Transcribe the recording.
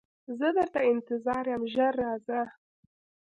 زه درته انتظار یم ژر راځه